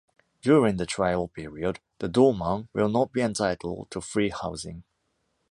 During the trial period the doorman will not be entitled to free housing.